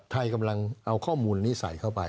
ไทยกำลังเอาข้อมูลนี้ใส่เข้าไป